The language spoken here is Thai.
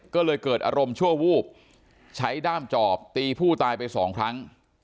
ก็เลยเกิดอารมณ์ชั่ววูบใช้ด้ามจอบตีผู้ตายไปสองครั้ง